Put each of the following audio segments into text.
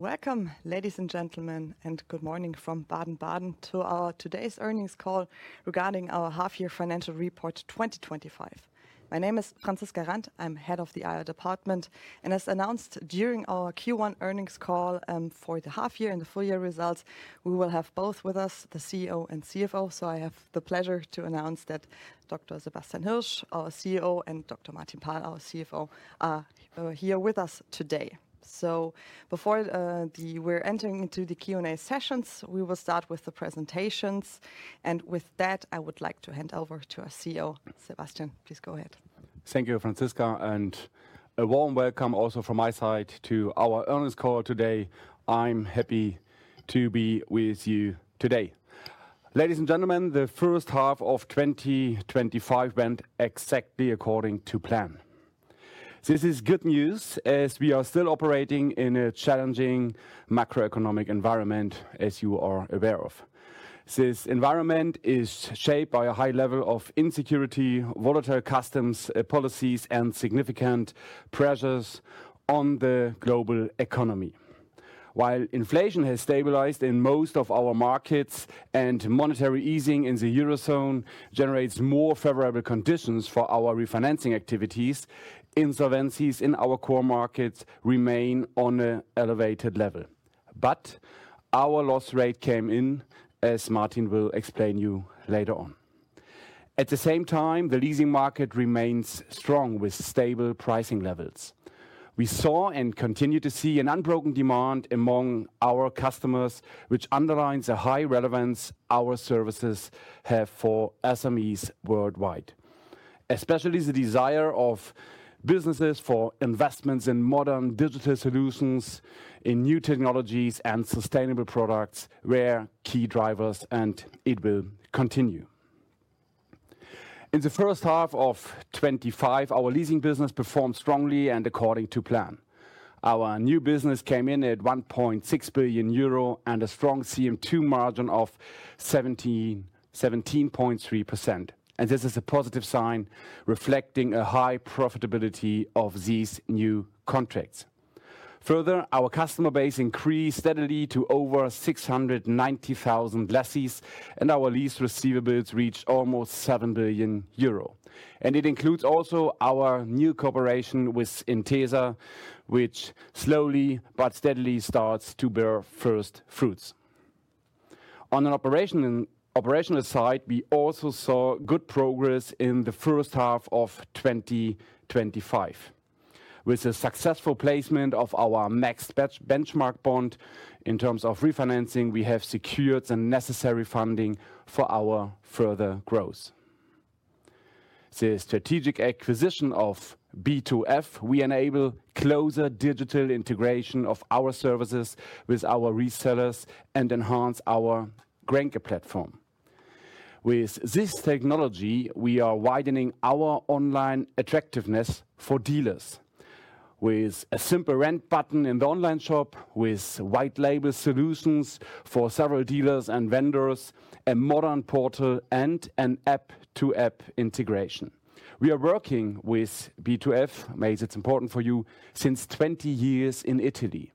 Welcome, ladies and gentlemen, and good morning from Baden-Baden to our today's earnings call regarding our half-year financial report 2025. My name is Franziska Randt, I'm Head of the IR Department. As announced during our Q1 earnings call for the half-year and the full-year results, we will have both with us, the CEO and CFO. I have the pleasure to announce that Dr. Sebastian Hirsch, our CEO, and Dr. Martin Paal, our CFO, are here with us today. Before we're entering into the Q&A sessions, we will start with the presentations. With that, I would like to hand over to our CEO, Sebastian. Please go ahead. Thank you, Franziska, and a warm welcome also from my side to our earnings call today. I'm happy to be with you today. Ladies and gentlemen, the first half of 2025 went exactly according to plan. This is good news as we are still operating in a challenging macroeconomic environment, as you are aware of. This environment is shaped by a high level of insecurity, volatile customs policies, and significant pressures on the global economy. While inflation has stabilized in most of our markets and monetary easing in the Eurozone generates more favorable conditions for our refinancing activities, insolvency in our core markets remains on an elevated level. Our loss rate came in, as Martin will explain to you later on. At the same time, the leasing market remains strong with stable pricing levels. We saw and continue to see an unbroken demand among our customers, which underlines the high relevance our services have for SMEs worldwide. Especially the desire of businesses for investments in modern digital solutions, in new technologies, and sustainable products were key drivers, and it will continue. In the first half of 2025, our leasing business performed strongly and according to plan. Our new business came in at €1.6 billion and a strong CM2 margin of 17.3%. This is a positive sign reflecting a high profitability of these new contracts. Further, our customer base increased steadily to over 690,000 leases, and our lease receivables reached almost €7 billion. It includes also our new cooperation with Intesa, which slowly but steadily starts to bear first fruits. On the operational side, we also saw good progress in the first half of 2025. With the successful placement of our benchmark bond, in terms of refinancing, we have secured the necessary funding for our further growth. The strategic acquisition of B2F we enables closer digital integration of our services with our resellers and enhances our Grenke platform. With this technology, we are widening our online attractiveness for dealers with a simple rent button in the online shop, with white-label solutions for several dealers and vendors, a modern portal, and an app-to-app integration. We are working with B2F, which makes it important for you, since 20 years in Italy.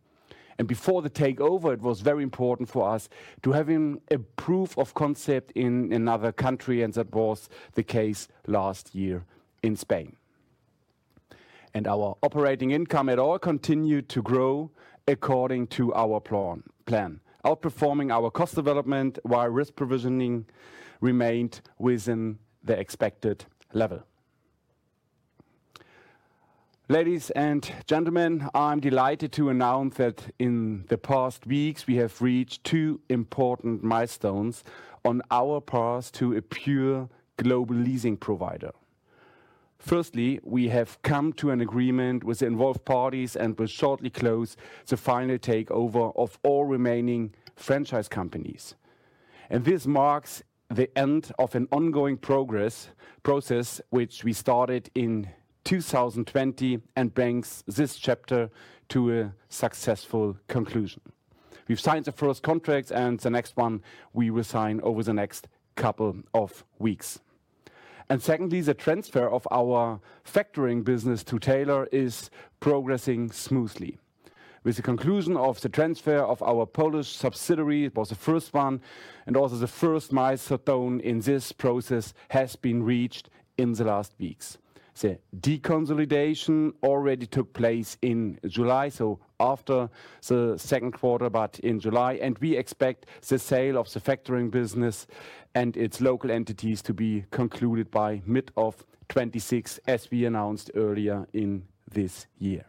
Before the takeover, it was very important for us to have a proof of concept in another country, and that was the case last year in Spain. Our operating income continued to grow according to our plan, outperforming our cost development while risk provisioning remained within the expected level. Ladies and gentlemen, I'm delighted to announce that in the past weeks, we have reached two important milestones on our path to a pure global leasing provider. Firstly, we have come to an agreement with the involved parties and will shortly close the final takeover of all remaining franchise companies. This marks the end of an ongoing process which we started in 2020 and brings this chapter to a successful conclusion. We've signed the first contract, and the next one we will sign over the next couple of weeks. Secondly, the transfer of our factoring business to Teylor is progressing smoothly. With the conclusion of the transfer of our Polish subsidiary, it was the first one, and also the first milestone in this process has been reached in the last weeks. The deconsolidation already took place in July, so after the second quarter, but in July, and we expect the sale of the factoring business and its local entities to be concluded by mid-2026, as we announced earlier this year.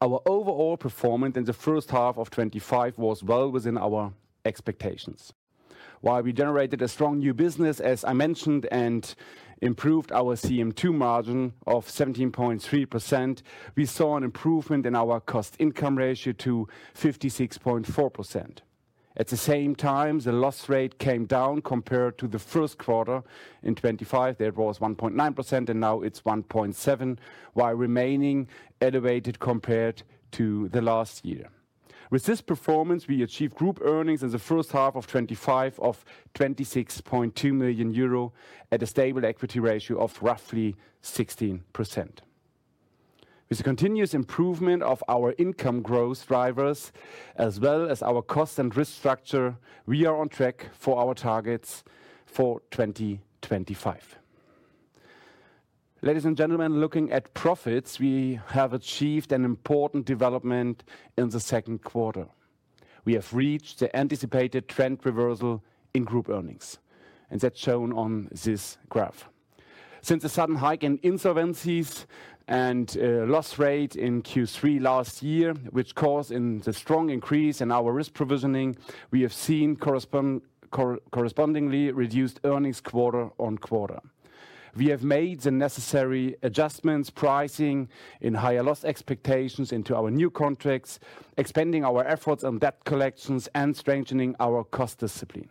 Our overall performance in the first half of 2025 was well within our expectations. While we generated a strong new business, as I mentioned, and improved our CM2 margin of 17.3%, we saw an improvement in our cost-income ratio to 56.4%. At the same time, the loss rate came down compared to the first quarter in 2025. That was 1.9%, and now it's 1.7%, while remaining elevated compared to last year. With this performance, we achieved group earnings in the first half of 2025 of €26.2 million at a stable equity ratio of roughly 16%. With the continuous improvement of our income growth drivers, as well as our cost and risk structure, we are on track for our targets for 2025. Ladies and gentlemen, looking at profits, we have achieved an important development in the second quarter. We have reached the anticipated trend reversal in group earnings, and that's shown on this graph. Since the sudden hike in insolvency and loss rate in Q3 last year, which caused a strong increase in our risk provisioning, we have seen correspondingly reduced earnings quarter on quarter. We have made the necessary adjustments, pricing in higher loss expectations into our new contracts, expanding our efforts on debt collections, and strengthening our cost discipline.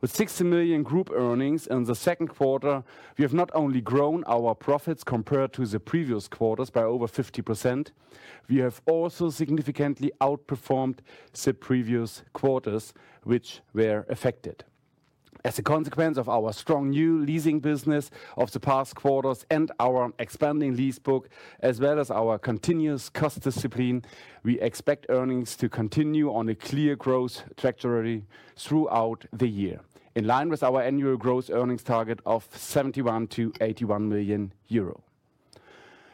With €60 million group earnings in the second quarter, we have not only grown our profits compared to the previous quarters by over 50%, we have also significantly outperformed the previous quarters which were affected. As a consequence of our strong new leasing business of the past quarters and our expanding leasebook, as well as our continuous cost discipline, we expect earnings to continue on a clear growth trajectory throughout the year, in line with our annual gross earnings target of €71 million-€81 million.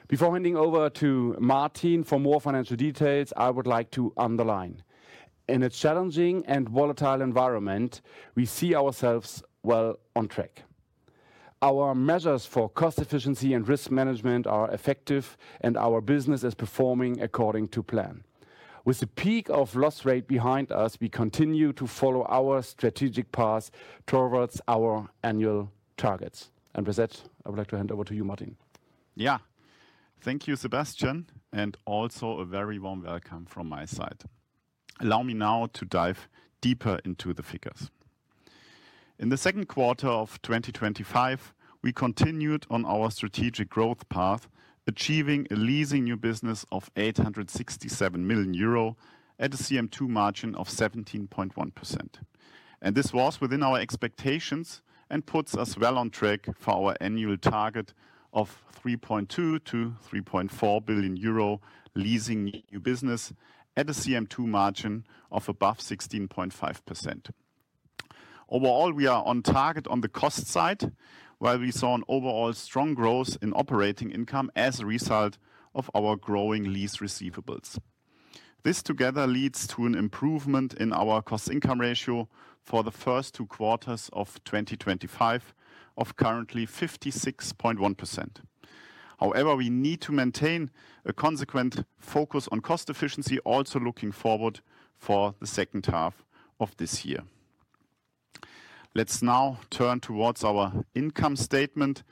Before handing over to Martin for more financial details, I would like to underline, in a challenging and volatile environment, we see ourselves well on track. Our measures for cost efficiency and risk management are effective, and our business is performing according to plan. With the peak of loss rate behind us, we continue to follow our strategic path towards our annual targets. With that, I would like to hand over to you, Martin. Yeah, thank you, Sebastian, and also a very warm welcome from my side. Allow me now to dive deeper into the figures. In the second quarter of 2025, we continued on our strategic growth path, achieving a new leasing business of €867 million at a CM2 margin of 17.1%. This was within our expectations and puts us well on track for our annual target of €3.2 billion - €3.4 billion new leasing business at a CM2 margin of above 16.5%. Overall, we are on target on the cost side, while we saw an overall strong growth in operating income as a result of our growing lease receivables. This together leads to an improvement in our cost-income ratio for the first two quarters of 2025 of currently 56.1%. However, we need to maintain a consequent focus on cost efficiency, also looking forward for the second half of this year. Let's now turn towards our income statement.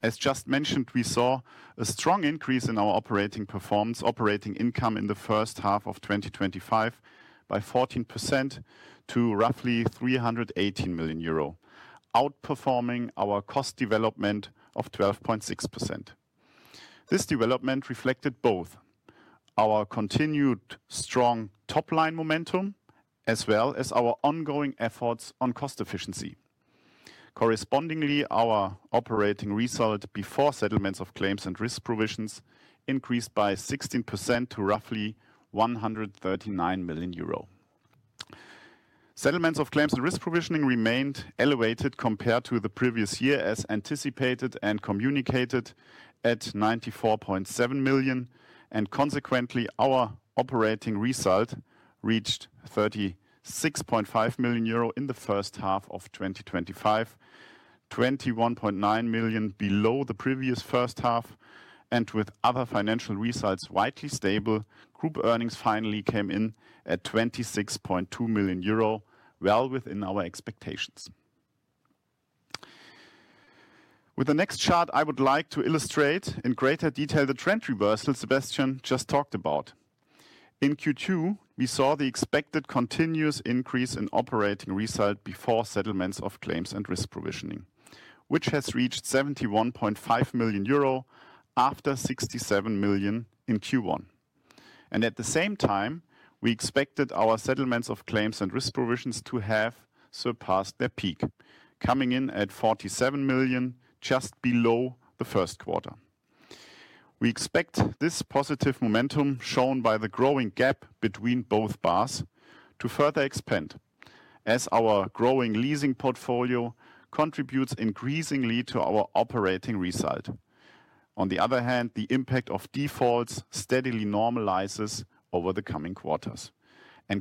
As just mentioned, we saw a strong increase in our operating performance, operating income in the first half of 2025 by 14% to roughly €318 million, outperforming our cost development of 12.6%. This development reflected both our continued strong top-line momentum as well as our ongoing efforts on cost efficiency. Correspondingly, our operating result before settlements of claims and risk provisions increased by 16% to roughly €139 million. Settlements of claims and risk provisioning remained elevated compared to the previous year, as anticipated and communicated at €94.7 million. Consequently, our operating result reached €36.5 million in the first half of 2025, €21.9 million below the previous first half. With other financial results widely stable, group earnings finally came in at €26.2 million, well within our expectations. With the next chart, I would like to illustrate in greater detail the trend reversal Sebastian just talked about. In Q2, we saw the expected continuous increase in operating result before settlements of claims and risk provisioning, which has reached €71.5 million after €67 million in Q1. At the same time, we expected our settlements of claims and risk provisions to have surpassed their peak, coming in at €47 million, just below the first quarter. We expect this positive momentum, shown by the growing gap between both bars, to further expand as our growing leasing portfolio contributes increasingly to our operating result. On the other hand, the impact of defaults steadily normalizes over the coming quarters.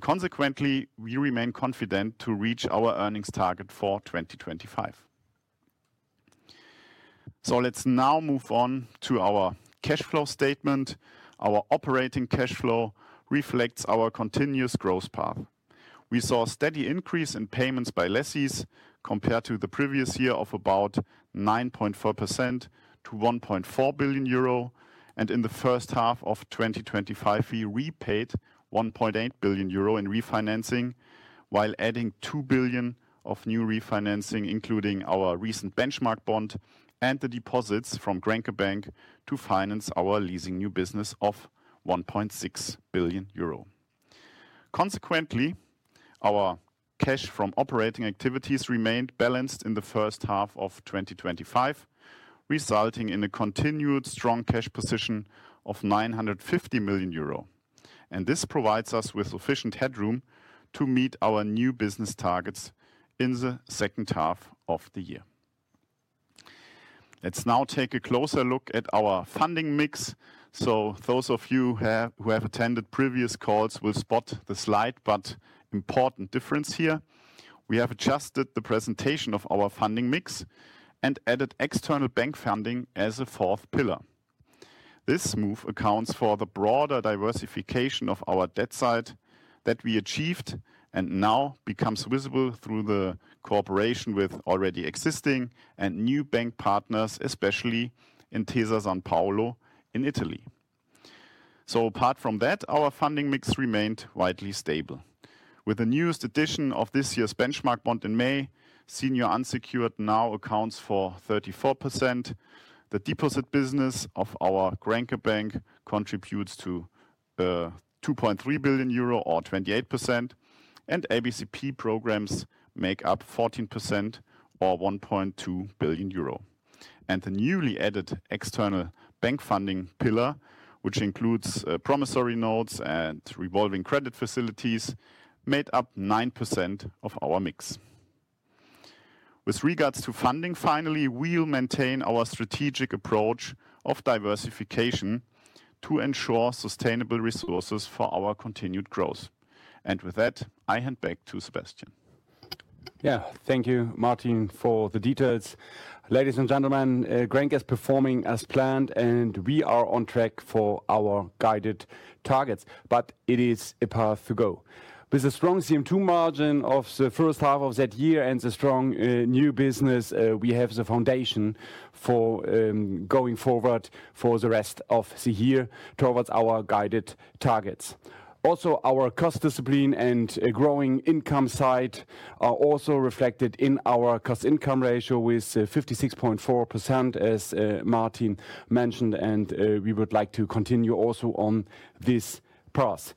Consequently, we remain confident to reach our earnings target for 2025. Let's now move on to our cash flow statement. Our operating cash flow reflects our continuous growth path. We saw a steady increase in payments by leases compared to the previous year of about 9.4% to €1.4 billion. In the first half of 2025, we repaid €1.8 billion in refinancing, while adding €2 billion of new refinancing, including our recent benchmark bond and the deposits from Grenke Bank to finance our new leasing business of €1.6 billion. Consequently, our cash from operating activities remained balanced in the first half of 2025, resulting in a continued strong cash position of €950 million. This provides us with sufficient headroom to meet our new business targets in the second half of the year. Let's now take a closer look at our funding mix. Those of you who have attended previous calls will spot the slight but important difference here. We have adjusted the presentation of our funding mix and added external bank funding as a fourth pillar. This move accounts for the broader diversification of our debt side that we achieved and now becomes visible through the cooperation with already existing and new bank partners, especially Intesa Sanpaolo in Italy. Apart from that, our funding mix remained widely stable. With the newest addition of this year's benchmark bond in May, Senior Unsecured now accounts for 34%. The deposit business of our Grenke Bank contributes to €2.3 billion or 28%. ABCP programs make up 14% or €1.2 billion. The newly added external bank funding pillar, which includes promissory notes and revolving credit facilities, made up 9% of our mix. With regards to funding, finally, we'll maintain our strategic approach of diversification to ensure sustainable resources for our continued growth. With that, I hand back to Sebastian. Yeah, thank you, Martin, for the details. Ladies and gentlemen, Grenke is performing as planned, and we are on track for our guided targets, but it is a path to go. With a strong CM2 margin of the first half of that year and the strong new business, we have the foundation for going forward for the rest of the year towards our guided targets. Also, our cost discipline and growing income side are also reflected in our cost-income ratio with 56.4%, as Martin mentioned. We would like to continue also on this path.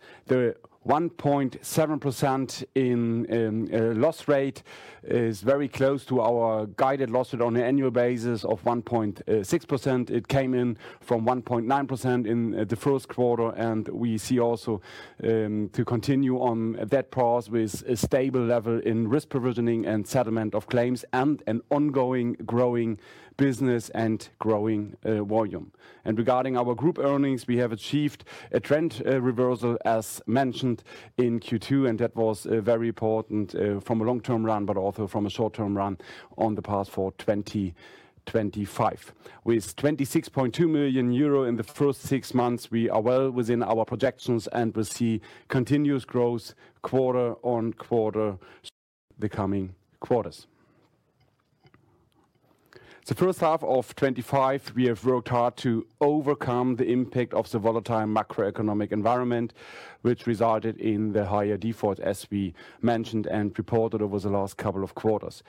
The 1.7% in loss rate is very close to our guided loss rate on an annual basis of 1.6%. It came in from 1.9% in the first quarter. We see also to continue on that path with a stable level in risk provisioning and settlement of claims and an ongoing growing business and growing volume. Regarding our group earnings, we have achieved a trend reversal, as mentioned in Q2. That was very important from a long-term run, but also from a short-term run on the path for 2025. With €26.2 million in the first six months, we are well within our projections and will see continuous growth quarter on quarter the coming quarters. The first half of 2025, we have worked hard to overcome the impact of the volatile macroeconomic environment, which resulted in the higher defaults, as we mentioned and reported over the last couple of quarters.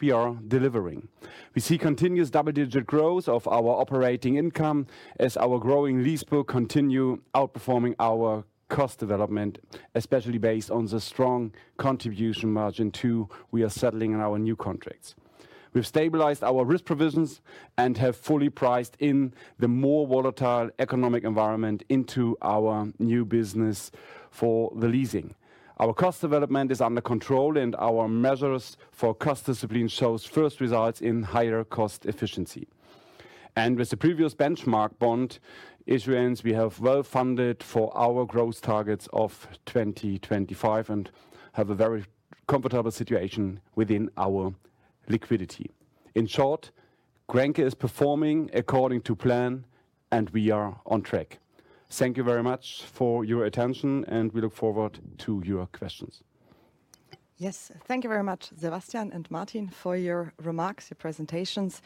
We are delivering. We see continuous double-digit growth of our operating income as our growing leasebook continues outperforming our cost development, especially based on the strong contribution margin we are settling in our new contracts. We've stabilized our risk provisions and have fully priced in the more volatile economic environment into our new business for the leasing. Our cost development is under control, and our measures for cost discipline show first results in higher cost efficiency. With the previous benchmark bond issuance, we have well funded for our growth targets of 2025 and have a very comfortable situation within our liquidity. In short, Grenke is performing according to plan, and we are on track. Thank you very much for your attention, and we look forward to your questions. Yes, thank you very much, Sebastian and Martin, for your remarks, your presentations.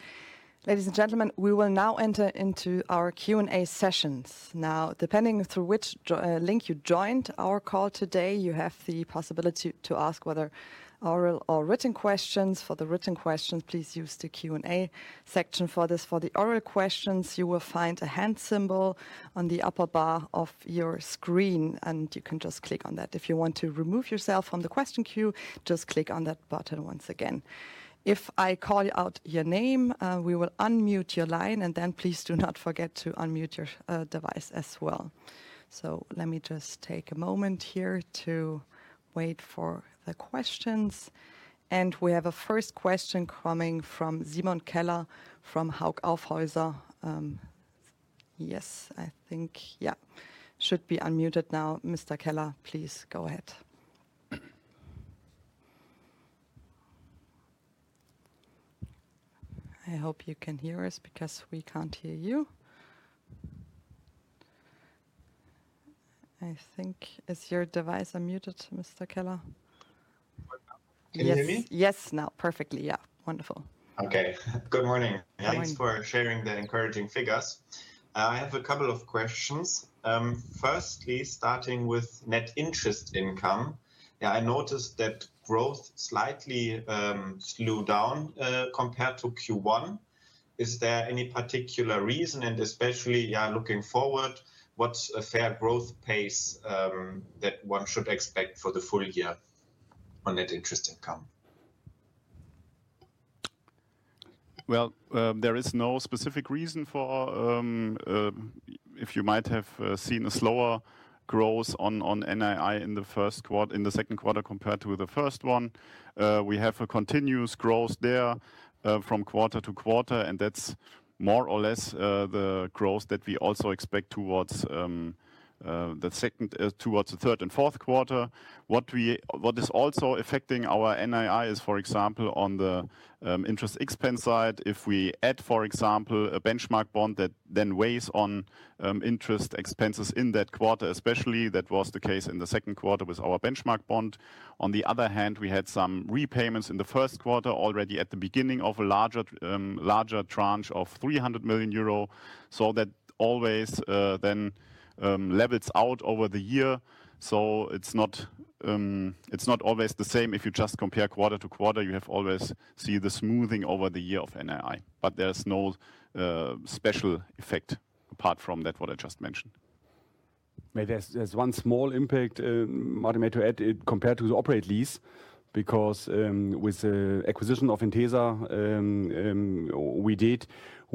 Ladies and gentlemen, we will now enter into our Q&A sessions. Now, depending on through which link you joined our call today, you have the possibility to ask whether oral or written questions. For the written questions, please use the Q&A section for this. For the oral questions, you will find a hand symbol on the upper bar of your screen, and you can just click on that. If you want to remove yourself from the question queue, just click on that button once again. If I call out your name, we will unmute your line, and then please do not forget to unmute your device as well. Let me just take a moment here to wait for the questions. We have a first question coming from Simon Keller from Hauck Aufhäuser. Yes, I think, yeah, should be unmuted now. Mr. Keller, please go ahead. I hope you can hear us because we can't hear you. I think, is your device unmuted, Mr. Keller? Can you hear me? Yes, now perfectly, yeah. Wonderful. Okay, good morning. Thanks for sharing the encouraging figures. I have a couple of questions. Firstly is, starting with net interest income, I noticed that growth slightly slowed down compared to Q1. Is there any particular reason, especially looking forward, what's a fair growth pace that one should expect for the full year on net interest income? There is no specific reason if you might have seen a slower growth on NII in the second quarter compared to the first one. We have a continuous growth there from quarter to quarter, and that's more or less the growth that we also expect towards the third and fourth quarter. What is also affecting our NII is, for example, on the interest expense side, if we add, for example, a benchmark bond that then weighs on interest expenses in that quarter, especially that was the case in the second quarter with our benchmark bond. On the other hand, we had some repayments in the first quarter already at the beginning of a larger tranche of €300 million. That always then levels out over the year. It's not always the same if you just compare quarter to quarter, you have always seen the smoothing over the year of NII, but there's no special effect apart from that, what I just mentioned. Maybe there's one small impact, Martin, to add compared to the operate lease, because with the acquisition of Intesa, we did,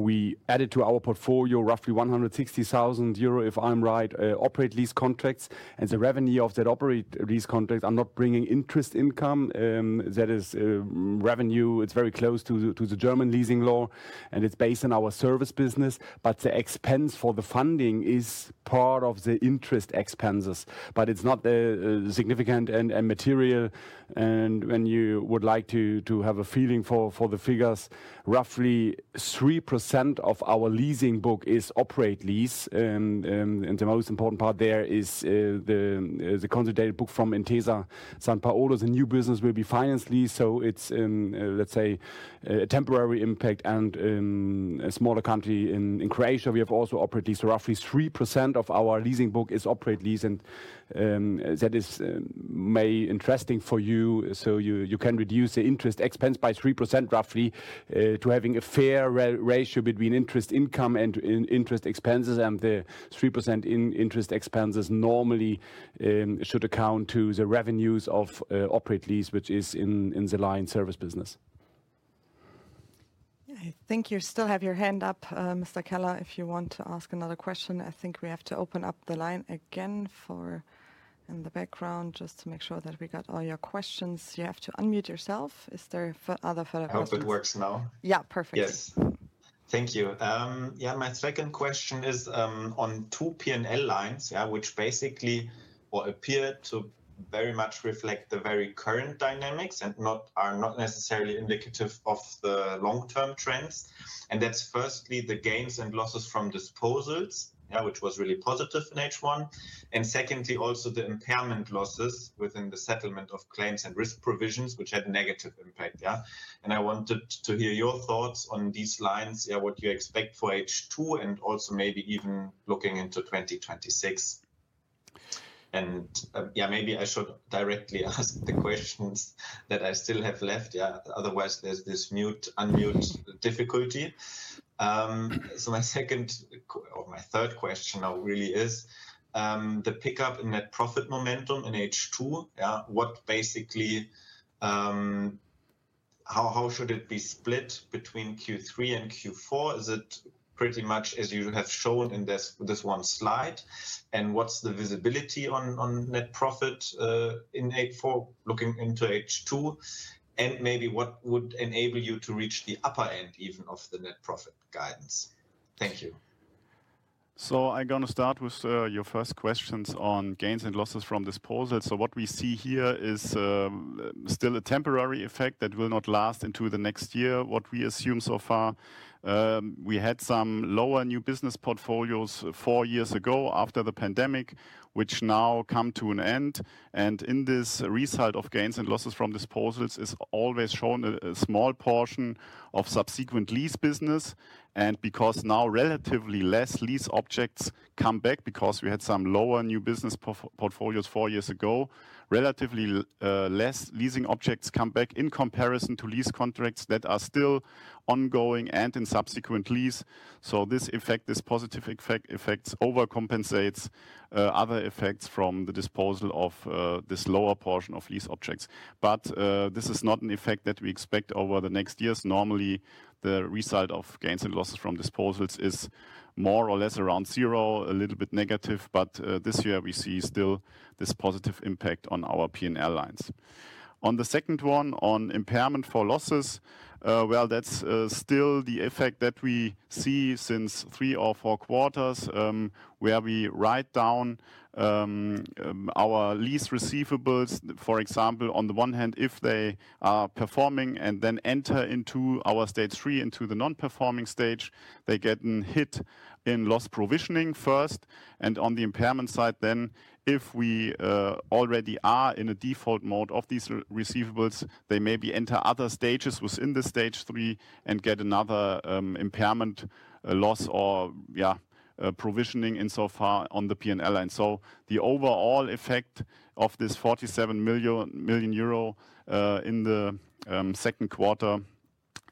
we added to our portfolio roughly €160,000, if I'm right, operate lease contracts. The revenue of that operate lease contract is not bringing interest income. That is revenue. It's very close to the German leasing law, and it's based on our service business. The expense for the funding is part of the interest expenses, but it's not significant and material. If you would like to have a feeling for the figures, roughly 3% of our leasing book is operate lease. The most important part there is the consolidated book from Intesa Sanpaolo. The new business will be finance lease. It's, let's say, a temporary impact. In a smaller country in Croatia, we have also operate lease. Roughly 3% of our leasing book is operate lease. That may be interesting for you. You can reduce the interest expense by 3% roughly to have a fair ratio between interest income and interest expenses. The 3% in interest expenses normally should account to the revenues of operate lease, which is in the line service business. Yeah, I think you still have your hand up, Mr. Keller, if you want to ask another question. I think we have to open up the line again in the background, just to make sure that we got all your questions. You have to unmute yourself. Are there further questions? I hope it works now. Yeah, perfectly. Yes, thank you. My second question is on two P&L lines, which basically appear to very much reflect the very current dynamics and are not necessarily indicative of the long-term trends. That's firstly the gains and losses from disposals, which was really positive in H1. Secondly, also the impairment losses within the settlement of claims and risk provisions, which had a negative impact. I wanted to hear your thoughts on these lines, what you expect for H2 and also maybe even looking into 2026. Maybe I should directly ask the questions that I still have left, otherwise, there's this mute-unmute difficulty. My third question now really is the pickup in net profit momentum in H2. What basically, how should it be split between Q3 and Q4? Is it pretty much as you have shown in this one slide? What's the visibility on net profit in H4 looking into H2? Maybe what would enable you to reach the upper end even of the net profit guidance? Thank you. I'm going to start with your first questions on gains and losses from disposals. What we see here is still a temporary effect that will not last into the next year, what we assume so far. We had some lower new business portfolios four years ago after the pandemic, which now come to an end. In this result of gains and losses from disposals, it's always shown a small portion of subsequent lease business. Because now relatively less lease objects come back, because we had some lower new business portfolios four years ago, relatively less leasing objects come back in comparison to lease contracts that are still ongoing and in subsequent lease. This effect, this positive effect overcompensates other effects from the disposal of this lower portion of lease objects. This is not an effect that we expect over the next years. Normally, the result of gains and losses from disposals is more or less around zero, a little bit negative. This year, we see still this positive impact on our P&L lines. On the second one, on impairment for losses, that's still the effect that we see since three or four quarters, where we write down our lease receivables. For example, on the one hand, if they are performing and then enter into our stage three, into the non-performing stage, they get hit in loss provisioning first. On the impairment side, then if we already are in a default mode of these receivables, they maybe enter other stages within the stage three and get another impairment loss or, yeah, provisioning insofar on the P&L line. The overall effect of this €47 million in the second quarter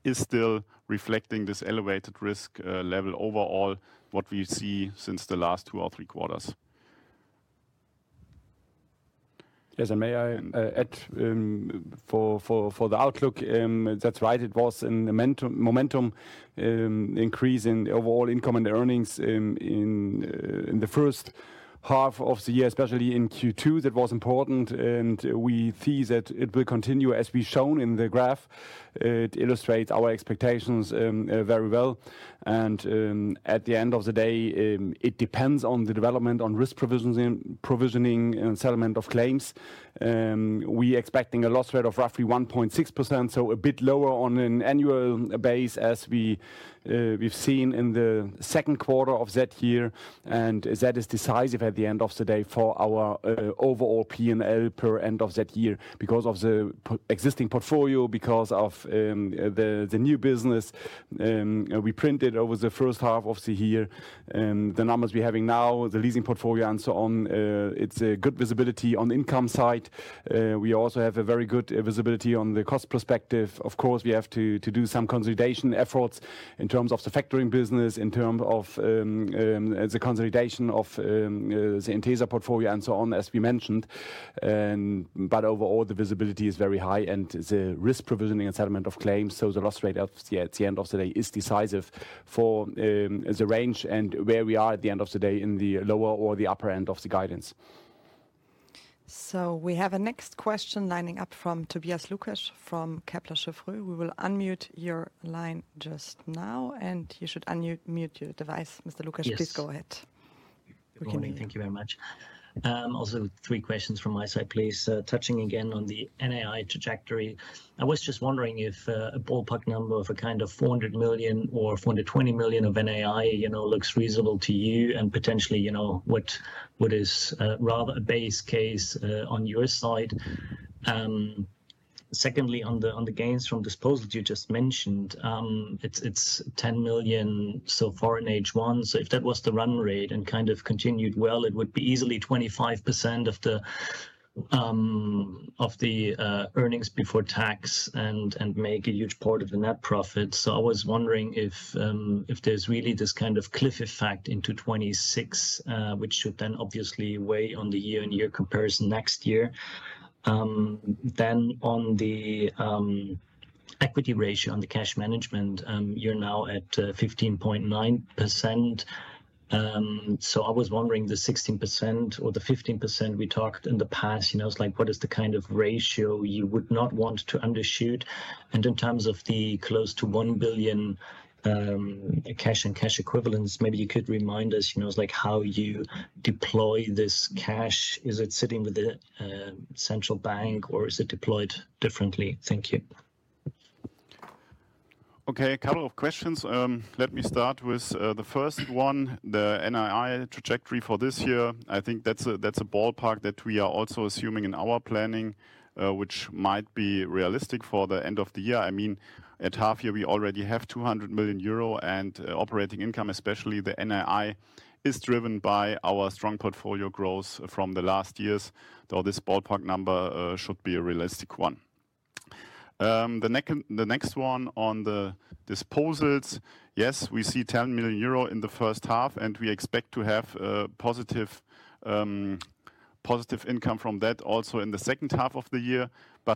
is still reflecting this elevated risk level overall, what we see since the last two or three quarters. Ye`s, and may I add for the outlook, that's right, it was in the momentum increase in overall income and earnings in the first half of the year, especially in Q2. That was important. We see that it will continue, as we've shown in the graph. It illustrates our expectations very well. At the end of the day, it depends on the development on risk provisioning and settlement of claims. We're expecting a loss rate of roughly 1.6%, so a bit lower on an annual base, as we've seen in the second quarter of that year. That is decisive at the end of the day for our overall P&L per end of that year because of the existing portfolio, because of the new business we printed over the first half of the year. The numbers we're having now, the leasing portfolio, and so on, it's a good visibility on the income side. We also have a very good visibility on the cost perspective. Of course, we have to do some consolidation efforts in terms of the factoring business, in terms of the consolidation of the Intesa portfolio, and so on, as we mentioned. Overall, the visibility is very high, and the risk provisioning and settlement of claims, so the loss rate at the end of the day is decisive for the range and where we are at the end of the day in the lower or the upper end of the guidance. We have a next question lining up from Tobias Lukesch from Kepler Cheuvreux. We will unmute your line just now, and you should unmute your device. Mr. Lukesch, please go ahead. Thank you very much. Also, three questions from my side, please. Touching again on the NII trajectory, I was just wondering if a ballpark number of a kind of €400 million or €420 million of NII looks reasonable to you and potentially what is rather a base case on your side. Secondly, on the gains from disposal you just mentioned, it's €10 million so far in H1. If that was the run rate and continued, it would be easily 25% of the earnings before tax and make a huge part of the net profit. I was wondering if there's really this kind of cliff effect into 2026, which should then obviously weigh on the year-on-year comparison next year. On the equity ratio on the cash management, you're now at 15.9%. I was wondering, the 16% or the 15% we talked in the past, what is the kind of ratio you would not want to undershoot? In terms of the close to €1 billion cash and cash equivalents, maybe you could remind us how you deploy this cash. Is it sitting with the central bank or is it deployed differently? Thank you. Okay, a couple of questions. Let me start with the first one, the NII trajectory for this year. I think that's a ballpark that we are also assuming in our planning, which might be realistic for the end of the year. I mean, at half year, we already have €200 million in operating income, especially the NII is driven by our strong portfolio growth from the last years, though this ballpark number should be a realistic one. The next one on the disposals, yes, we see €10 million in the first half, and we expect to have positive income from that also in the second half of the year.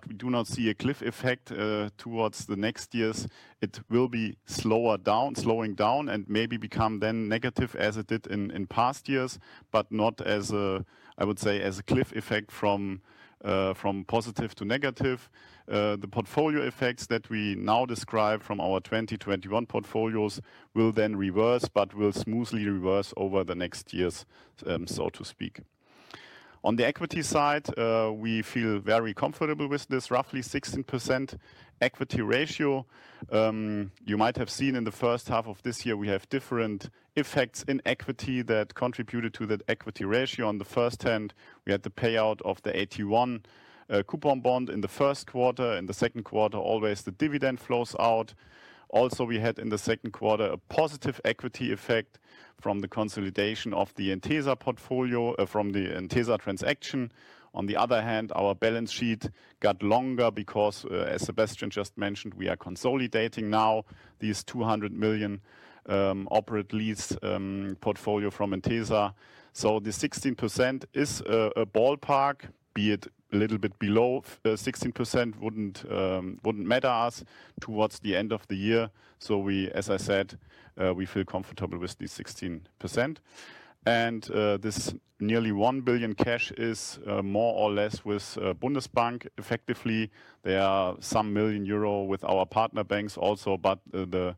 We do not see a cliff effect towards the next years. It will be slowing down, and maybe become then negative as it did in past years, but not as a, I would say, as a cliff effect from positive to negative. The portfolio effects that we now describe from our 2021 portfolios will then reverse, but will smoothly reverse over the next years, so to speak. On the equity side, we feel very comfortable with this, roughly 16% equity ratio. You might have seen in the first half of this year, we have different effects in equity that contributed to that equity ratio. On the first hand, we had the payout of the AT1 coupon bond in the first quarter. In the second quarter, always the dividend flows out. Also, we had in the second quarter a positive equity effect from the consolidation of the Intesa portfolio, from the Intesa transaction. On the other hand, our balance sheet got longer because, as Sebastian just mentioned, we are consolidating now this €200 million operate lease portfolio from Intesa. The 16% is a ballpark, be it a little bit below 16% wouldn't matter to us towards the end of the year. As I said, we feel comfortable with the 16%. This nearly €1 billion cash is more or less with Bundesbank effectively. There are some million euros with our partner banks also, but the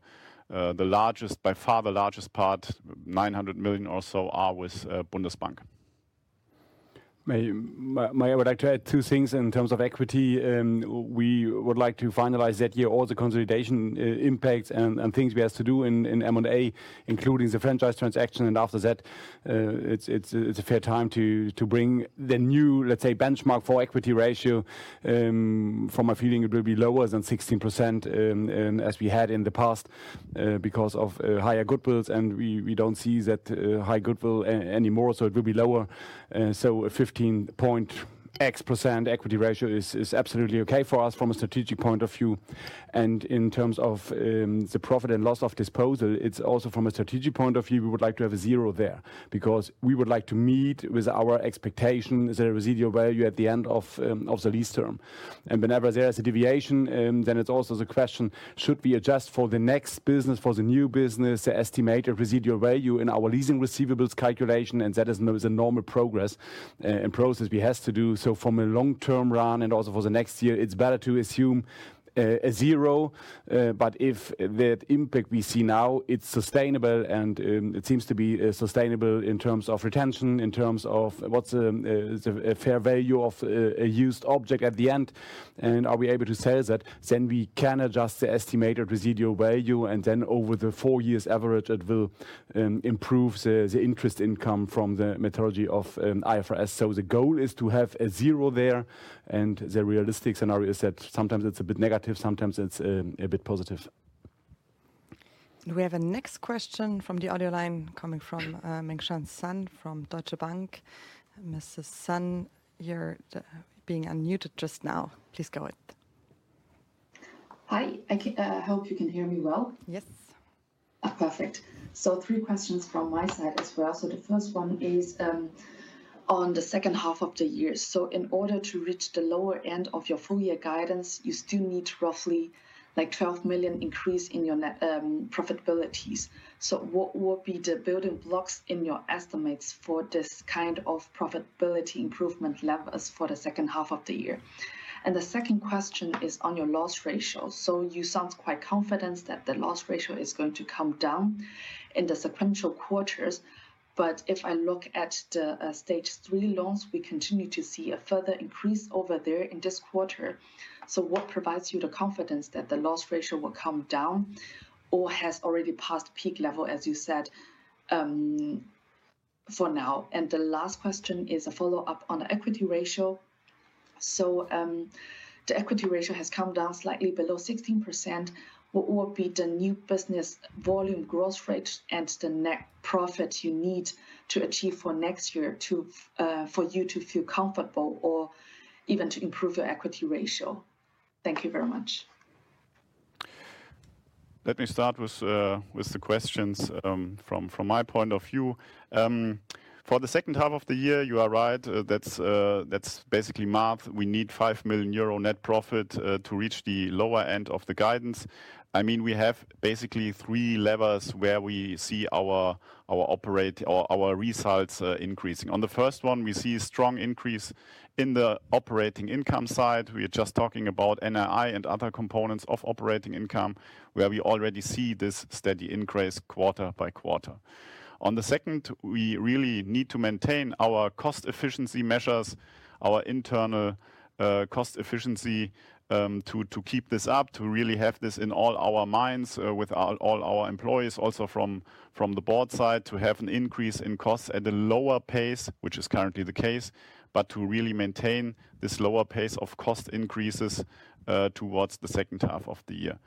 largest, by far the largest part, €900 million or so are with Bundesbank. I would like to add two things in terms of equity. We would like to finalize that year, all the consolidation impacts and things we have to do in M&A, including the franchise transaction. After that, it's a fair time to bring the new, let's say, benchmark for equity ratio. From my feeling, it will be lower than 16% as we had in the past because of higher goodwills. We don't see that high goodwill anymore, so it will be lower. A 15% equity ratio is absolutely okay for us from a strategic point of view. In terms of the profit and loss of disposal, it's also from a strategic point of view, we would like to have a zero there because we would like to meet with our expectations, the residual value at the end of the lease term. Whenever there is a deviation, then it's also the question, should we adjust for the next business, for the new business, the estimated residual value in our leasing receivables calculation? That is the normal progress and process we have to do. From a long-term run and also for the next year, it's better to assume a zero. If that impact we see now, it's sustainable and it seems to be sustainable in terms of retention, in terms of what's a fair value of a used object at the end, and are we able to sell that? We can adjust the estimated residual value. Over the four years average, it will improve the interest income from the methodology of IFRS. The goal is to have a zero there. The realistic scenario is that sometimes it's a bit negative, sometimes it's a bit positive. We have a next question from the audio line coming from Mengxian Sun from Deutsche Bank. Mrs. Sun, you're being unmuted just now. Please go ahead. Hi, I hope you can hear me well? Yes. Perfect. Three questions from my side as well. The first one is on the second half of the year. In order to reach the lower end of your full-year guidance, you still need roughly $12 million increase in your net profitabilities. What would be the building blocks in your estimates for this kind of profitability improvement levels for the second half of the year? The second question is on your loss ratio. You sound quite confident that the loss ratio is going to come down in the sequential quarters. If I look at the stage three loans, we continue to see a further increase over there in this quarter. What provides you the confidence that the loss ratio will come down or has already passed peak level, as you said, for now? The last question is a follow-up on the equity ratio. The equity ratio has come down slightly below 16%. What would be the new business volume growth rate and the net profit you need to achieve for next year for you to feel comfortable or even to improve your equity ratio? Thank you very much. Let me start with the questions from my point of view. For the second half of the year, you are right. That's basically math. We need €5 million net profit to reach the lower end of the guidance. I mean, we have basically three levels where we see our results increasing. On the first one, we see a strong increase in the operating income side. We are just talking about NII and other components of operating income, where we already see this steady increase quarter by quarter. On the second, we really need to maintain our cost efficiency measures, our internal cost efficiency to keep this up, to really have this in all our minds with all our employees, also from the Board side, to have an increase in costs at a lower pace, which is currently the case, but to really maintain this lower pace of cost increases towards the second half of the year.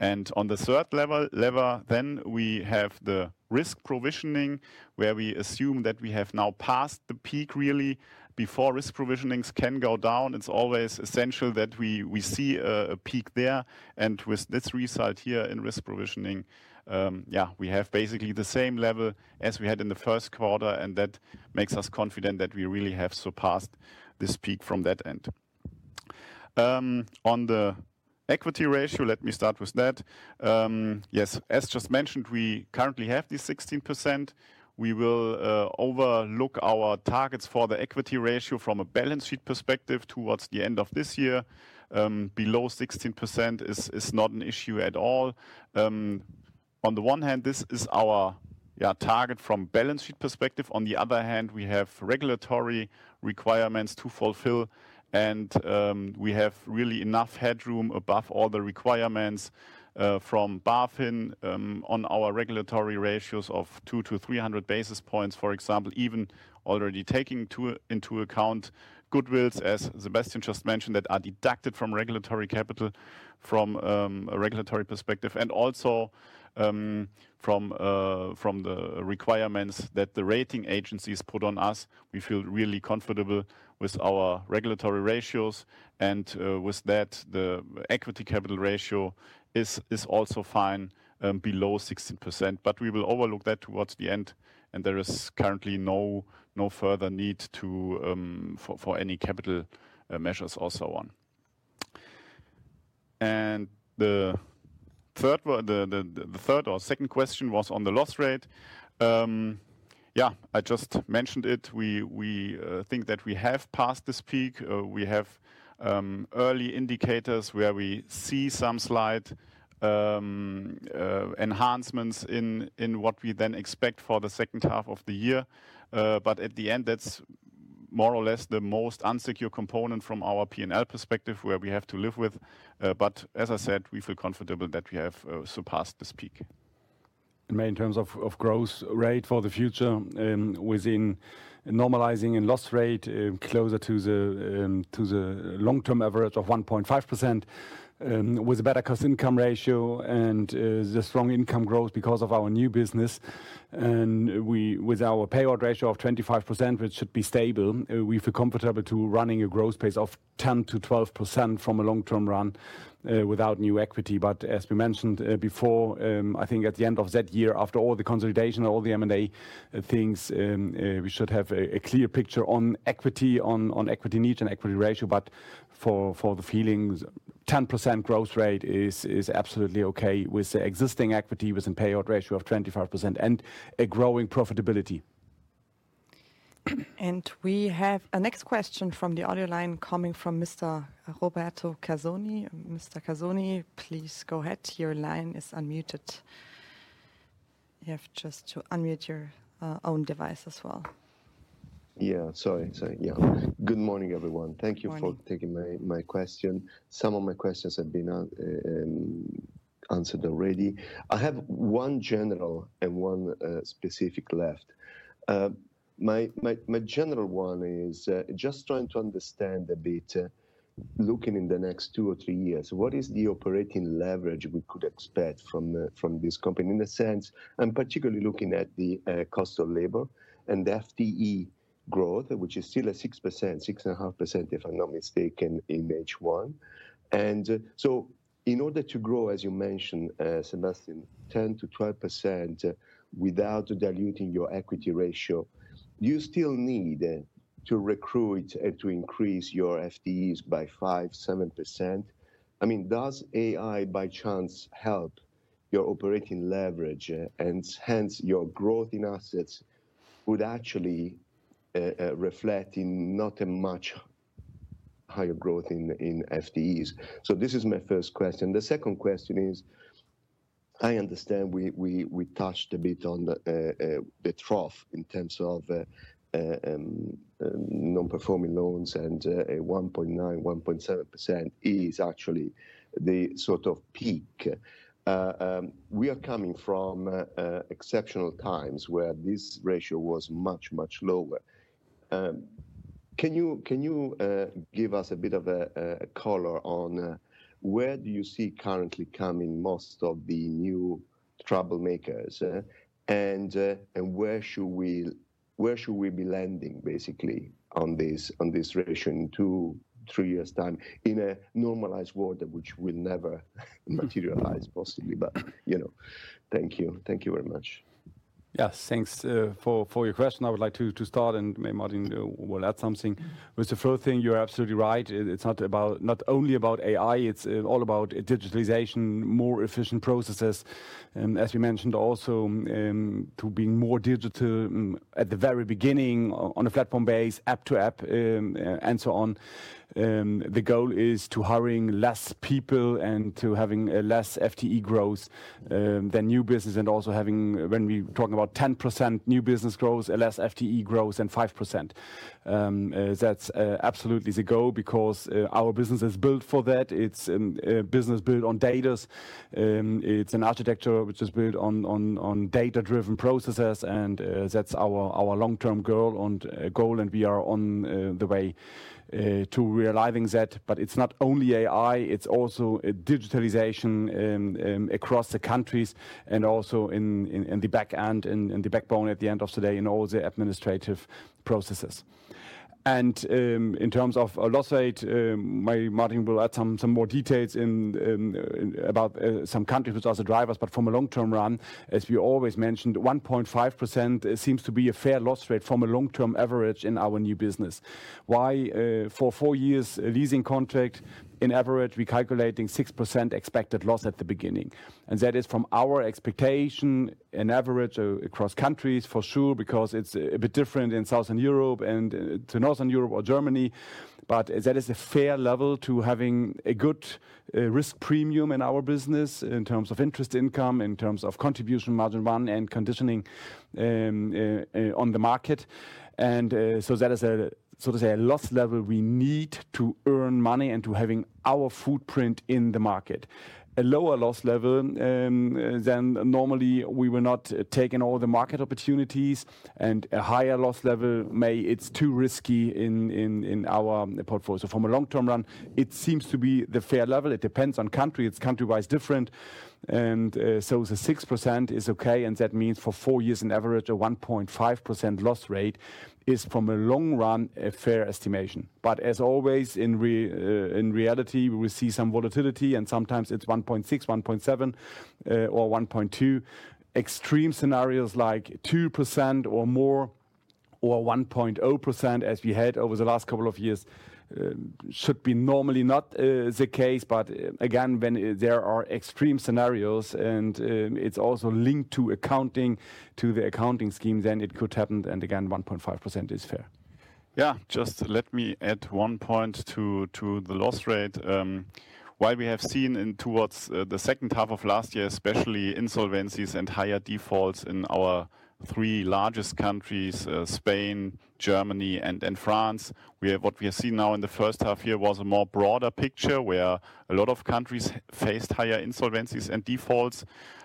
On the third level, we have the risk provisioning, where we assume that we have now passed the peak really before risk provisionings can go down. It's always essential that we see a peak there. With this result here in risk provisioning, we have basically the same level as we had in the first quarter. That makes us confident that we really have surpassed this peak from that end. On the equity ratio, let me start with that. Yes, as just mentioned, we currently have the 16%. We will overlook our targets for the equity ratio from a balance sheet perspective towards the end of this year. Below 16% is not an issue at all. On the one hand, this is our target from a balance sheet perspective. On the other hand, we have regulatory requirements to fulfill. We have really enough headroom above all the requirements from BaFin on our regulatory ratios of 200-300 basis points, for example, even already taking into account goodwills, as Sebastian just mentioned, that are deducted from regulatory capital from a regulatory perspective. Also from the requirements that the rating agencies put on us, we feel really comfortable with our regulatory ratios. With that, the equity capital ratio is also fine below 16%. We will overlook that towards the end. There is currently no further need for any capital measures or so on. The third or second question was on the loss rate. I just mentioned it. We think that we have passed this peak. We have early indicators where we see some slight enhancements in what we then expect for the second half of the year. At the end, that's more or less the most unsecure component from our P&L perspective where we have to live with. As I said, we feel comfortable that we have surpassed this peak. In terms of growth rate for the future, within normalizing and loss rate closer to the long-term average of 1.5%, with a better cost-income ratio and the strong income growth because of our new business, and with our payout ratio of 25%, which should be stable, we feel comfortable to running a growth pace of 10% to 12% from a long-term run without new equity. As we mentioned before, I think at the end of that year, after all the consolidation and all the M&A things, we should have a clear picture on equity, on equity needs, and equity ratio. For the feeling, 10% growth rate is absolutely okay with the existing equity, with a payout ratio of 25% and a growing profitability. We have a next question from the audio line coming from Mr. Roberto Casoni. Mr. Casoni, please go ahead. Your line is unmuted. You have just to unmute your own device as well. Yeah, sorry. Yeah, good morning, everyone. Thank you for taking my question. Some of my questions have been answered already. I have one general and one specific left. My general one is just trying to understand a bit, looking in the next two or three years, what is the operating leverage we could expect from this company? In a sense, I'm particularly looking at the cost of labor and the FTE growth, which is still at 6%, 6.5%, if I'm not mistaken, in H1. In order to grow, as you mentioned, Sebastian, 10%-12% without diluting your equity ratio, do you still need to recruit to increase your FTEs by 5%, 7%? I mean, does AI by chance help your operating leverage and hence your growth in assets would actually reflect in not a much higher growth in FTEs? This is my first question. The second question is, I understand we touched a bit on the trough in terms of non-performing loans and 1.9%, 1.7% is actually the sort of peak. We are coming from exceptional times where this ratio was much, much lower. Can you give us a bit of a color on where do you see currently coming most of the new troublemakers? Where should we be landing, basically, on this ratio in two, three years' time in a normalized world, which will never materialize, possibly. Thank you. Thank you very much. Yes, thanks for your question. I would like to start, and maybe Martin will add something. With the first thing, you're absolutely right. It's not only about AI, it's all about digitalization, more efficient processes. As you mentioned, also to be more digital at the very beginning on a platform base, app to app, and so on. The goal is to hire less people and to have less FTE growth than new business. Also, when we're talking about 10% new business growth, less FTE growth than 5%. That's absolutely the goal because our business is built for that. It's a business built on data. It's an architecture which is built on data-driven processes. That's our long-term goal, and we are on the way to realizing that. It's not only AI, it's also digitalization across the countries and also in the back end, in the backbone at the end of the day, in all the administrative processes. In terms of a loss rate, maybe Martin will add some more details about some countries with us as drivers. From a long-term run, as we always mentioned, 1.5% seems to be a fair loss rate from a long-term average in our new business. Why? For four years, a leasing contract, in average, we're calculating 6% expected loss at the beginning. That is from our expectation in average across countries, for sure, because it's a bit different in Southern Europe and to Northern Europe or Germany. That is a fair level to having a good risk premium in our business in terms of interest income, in terms of contribution margin one, and conditioning on the market. That is a sort of a loss level we need to earn money and to have our footprint in the market. A lower loss level than normally, we will not take in all the market opportunities. A higher loss level may, it's too risky in our portfolio. From a long-term run, it seems to be the fair level. It depends on country. It's countrywide different. The 6% is okay. That means for four years in average, a 1.5% loss rate is, from a long run, a fair estimation. As always, in reality, we will see some volatility. Sometimes it's 1.6%, 1.7%, or 1.2%. Extreme scenarios like 2% or more or 1.0%, as we had over the last couple of years, should be normally not the case. Again, when there are extreme scenarios and it's also linked to accounting, to the accounting scheme, then it could happen. Again, 1.5% is fair. Yeah, just let me add one point to the loss rate. While we have seen towards the second half of last year, especially insolvencies and higher defaults in our three largest countries, Spain, Germany, and France, what we have seen now in the first half here was a more broad picture where a lot of countries faced higher insolvencies and defaults.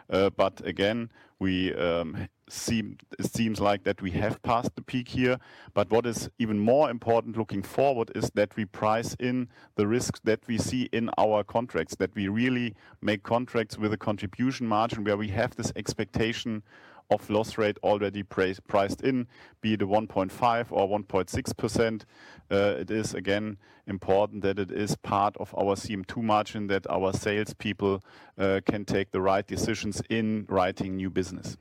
Again, it seems like that we have passed the peak here. What is even more important looking forward is that we price in the risks that we see in our contracts, that we really make contracts with a contribution margin where we have this expectation of loss rate already priced in, be it 1.5% or 1.6%. It is again important that it is part of our CM2 margin that our salespeople can take the right decisions in writing new business.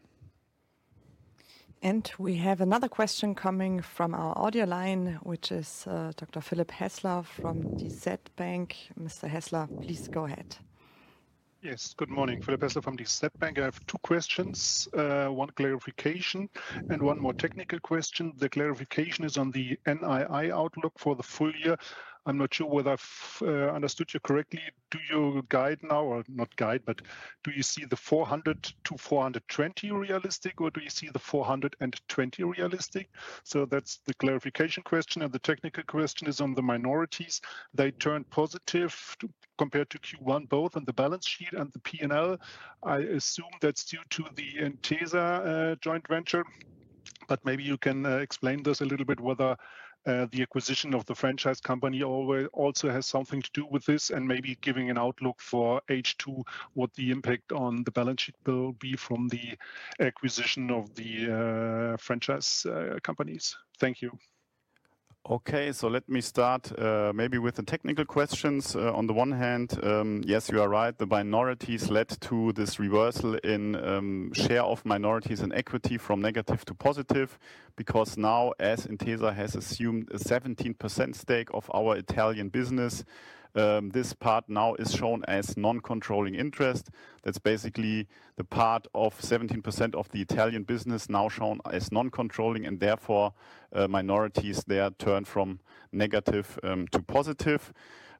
We have another question coming from our audio line, which is Dr. Philip Hesla from DZ Bank. Mr. Hesla, please go ahead. Yes, good morning. Philip Hesla from DZ Bank. I have two questions, one clarification and one more technical question. The clarification is on the NII outlook for the full year. I'm not sure whether I've understood you correctly. Do you guide now, or not guide, but do you see the €400 million-€420 million realistic, or do you see the €420 million realistic? That's the clarification question. The technical question is on the minorities. They turned positive compared to Q1, both on the balance sheet and the P&L. I assume that's due to the Intesa joint venture. Maybe you can explain this a little bit, whether the acquisition of the franchise company also has something to do with this, and maybe give an outlook for H2, what the impact on the balance sheet will be from the acquisition of the franchise companies. Thank you. Okay, let me start maybe with the technical questions. On the one hand, yes, you are right. The minorities led to this reversal in share of minorities and equity from negative to positive, because now, as Intesa has assumed a 17% stake of our Italian business, this part now is shown as non-controlling interest. That's basically the part of 17% of the Italian business now shown as non-controlling, and therefore minorities there turned from negative to positive.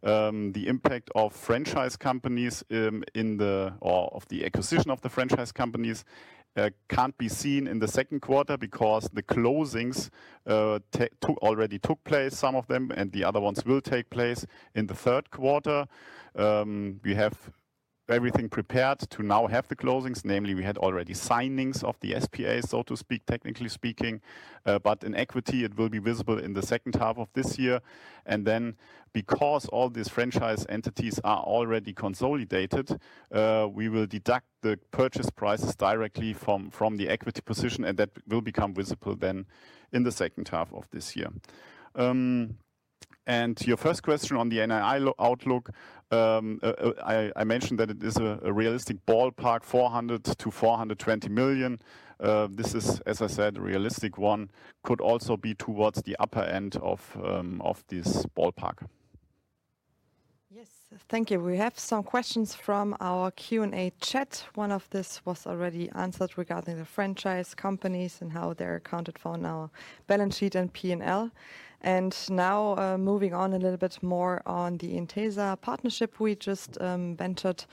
The impact of franchise companies of the acquisition of the franchise companies can't be seen in the second quarter because the closings already took place, some of them, and the other ones will take place in the third quarter. We have everything prepared to now have the closings. Namely, we had already signings of the SPA, technically speaking. In equity, it will be visible in the second half of this year. Because all these franchise entities are already consolidated, we will deduct the purchase prices directly from the equity position, and that will become visible then in the second half of this year. Your first question on the NII outlook, I mentioned that it is a realistic ballpark, $400-$420 million. This is, as I said, a realistic one. Could also be towards the upper end of this ballpark. Yes, thank you. We have some questions from our Q&A chat. One of this was already answered regarding the franchise companies and how they're accounted for in our balance sheet and P&L. Now moving on a little bit more on the Intesa partnership we just ventured,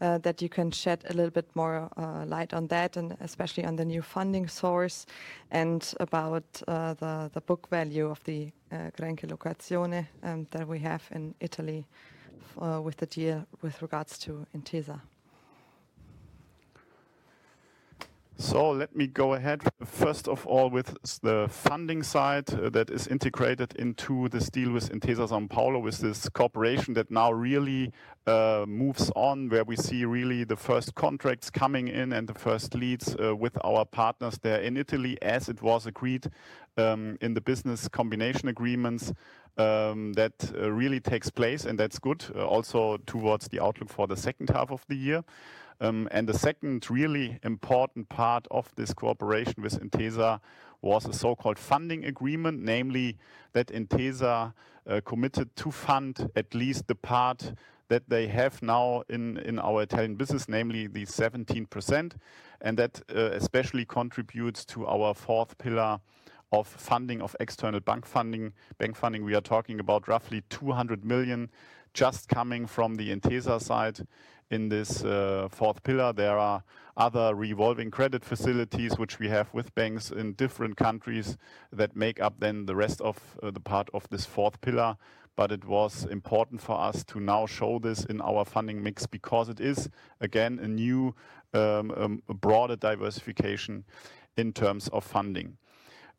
that you can shed a little bit more light on that, especially on the new funding source and about the book value of the Grand Collocazione that we have in Italy with the deal with regards to Intesa. Let me go ahead. First of all, with the funding side that is integrated into this deal with Intesa Sanpaolo, with this corporation that now really moves on, where we see really the first contracts coming in and the first leads with our partners there in Italy, as it was agreed in the business combination agreements, that really takes place, and that's good, also towards the outlook for the second half of the year. The second really important part of this corporation with Intesa was a so-called funding agreement, namely that Intesa committed to fund at least the part that they have now in our Italian business, namely the 17%. That especially contributes to our fourth pillar of funding of external bank funding. Bank funding, we are talking about roughly €200 million just coming from the Intesa side in this fourth pillar. There are other revolving credit facilities, which we have with banks in different countries that make up then the rest of the part of this fourth pillar. It was important for us to now show this in our funding mix because it is, again, a new broader diversification in terms of funding.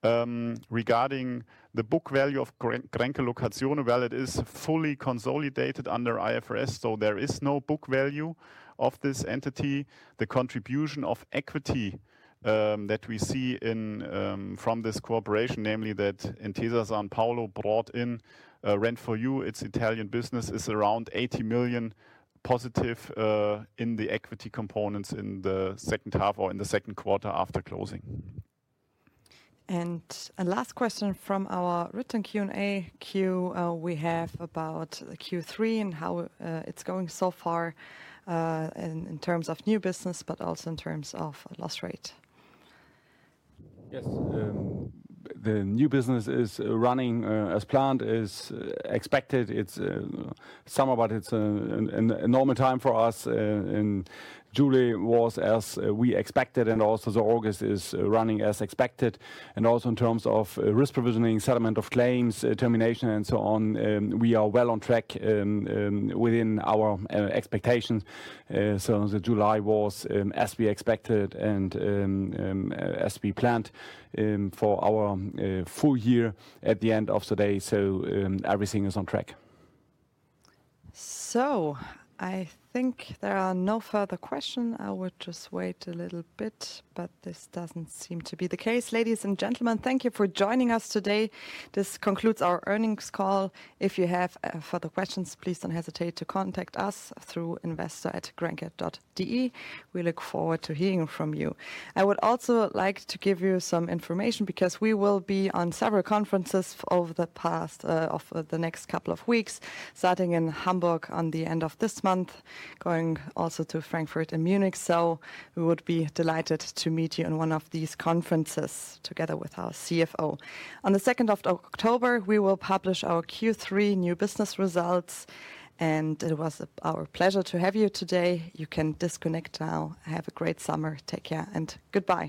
Regarding the book value of Grand Collocazione, it is fully consolidated under IFRS, so there is no book value of this entity. The contribution of equity that we see from this corporation, namely that Intesa Sanpaolo brought in Rent4U, its Italian business, is around €80 million positive in the equity components in the second half or in the second quarter after closing. The last question from our written Q&A queue is about Q3 and how it's going so far in terms of new business, but also in terms of loss rate. Yes, the new business is running as planned, as expected. It's summer, but it's a normal time for us. In July, it was as we expected, and also August is running as expected. Also, in terms of risk provisioning, settlement of claims, termination, and so on, we are well on track within our expectations. July was as we expected and as we planned for our full year at the end of the day. Everything is on track. I think there are no further questions. I would just wait a little bit, but this doesn't seem to be the case. Ladies and gentlemen, thank you for joining us today. This concludes our earnings call. If you have further questions, please don't hesitate to contact us through investor@grenke.de. We look forward to hearing from you. I would also like to give you some information because we will be on several conferences over the next couple of weeks, starting in Hamburg at the end of this month, going also to Frankfurt and Munich. We would be delighted to meet you in one of these conferences together with our CFO. On the 2nd of October, we will publish our Q3 new business results. It was our pleasure to have you today. You can disconnect now. Have a great summer. Take care and goodbye.